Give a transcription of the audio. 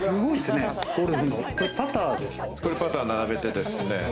これパター並べてですね。